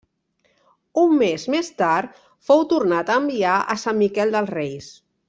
Un mes més tard fou tornat a enviar a Sant Miquel dels Reis.